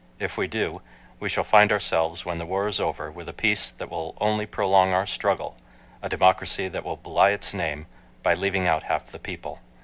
If we do, we shall find ourselves, when the war is over, with a peace that will only prolong our struggle, a democracy that will belie its name by leaving out half the people.